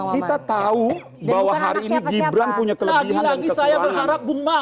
kita tahu bahwa hari ini gibran punya kelebihan